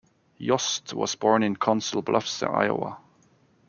Yost was born in Council Bluffs, Iowa.